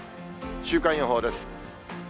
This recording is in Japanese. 週間予報です。